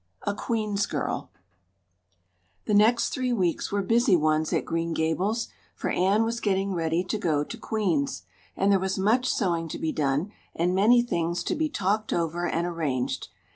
A Queen's Girl THE next three weeks were busy ones at Green Gables, for Anne was getting ready to go to Queen's, and there was much sewing to be done, and many things to be talked over and arranged.